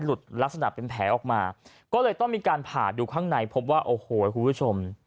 ลักษณะเป็นแผลออกมาก็เลยต้องมีการผ่าดูข้างในพบว่าโอ้โหคุณผู้ชม